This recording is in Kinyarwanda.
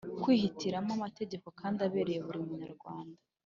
Kwihitiramo amategeko kandi abereye buri munyarwanda